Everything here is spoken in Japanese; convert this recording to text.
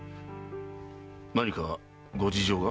何かご事情が？